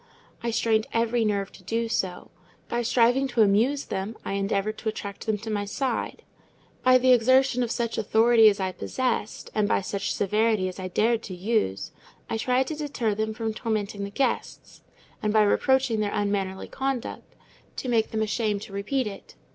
I strained every nerve to do so: by striving to amuse them, I endeavoured to attract them to my side; by the exertion of such authority as I possessed, and by such severity as I dared to use, I tried to deter them from tormenting the guests; and by reproaching their unmannerly conduct, to make them ashamed to repeat it.